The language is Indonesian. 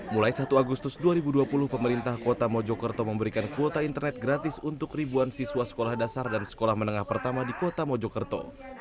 mulai satu agustus dua ribu dua puluh pemerintah kota mojokerto memberikan kuota internet gratis untuk ribuan siswa sekolah dasar dan sekolah menengah pertama di kota mojokerto